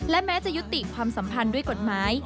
และแม้จะยุติความสัมพันธ์ด้วยกฎหมาย